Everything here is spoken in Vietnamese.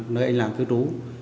nơi anh lạng cứ trú